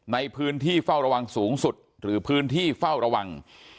ในพื้นที่เฝ้าระวังสูงสุดหรือพื้นที่เฝ้าระวัง